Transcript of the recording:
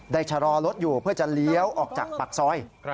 ชะลอรถอยู่เพื่อจะเลี้ยวออกจากปากซอย